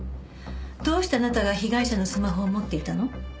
どうしてあなたが被害者のスマホを持っていたの？